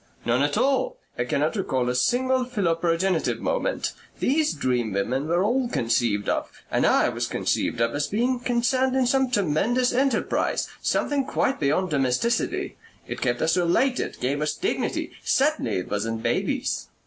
"None at all. I cannot recall a single philoprogenitive moment. These dream women were all conceived of, and I was conceived of, as being concerned in some tremendous enterprise something quite beyond domesticity. It kept us related gave us dignity.... Certainly it wasn't babies."